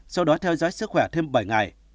sau đó theo dõi sức khỏe thêm bảy ngày